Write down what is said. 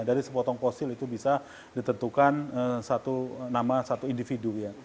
dari sepotong fosil itu bisa ditentukan satu nama satu individu ya